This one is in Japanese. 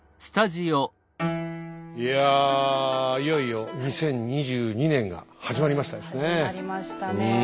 いよいよ２０２２年が始まりましたですね。